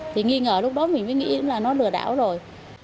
thì nghi ngờ lúc đó mình mới nghĩ là nó lừa đảo rồi